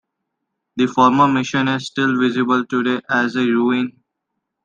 The former mission is still visible today as a ruin.